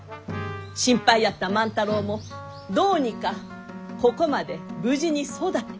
心配やった万太郎もどうにかここまで無事に育った。